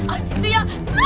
asyik tuh ya